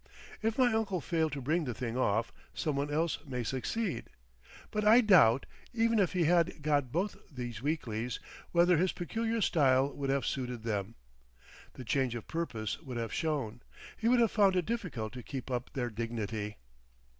If my uncle failed to bring the thing off, some one else may succeed. But I doubt, even if he had got both these weeklies, whether his peculiar style would have suited them. The change of purpose would have shown. He would have found it difficult to keep up their dignity.